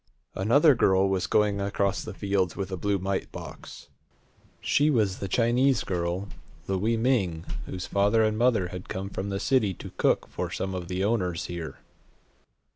Another girl was going across the fields with a blue mite box. She was the Chinese girl, Louie Ming, whose father and mother had come from the city to cook for some of the owners here.